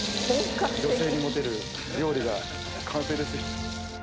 女性にモテる料理が完成です